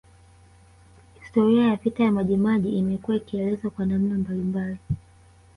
Historia ya vita ya Majimaji imekuwa ikielezwa kwa namna mbalimbali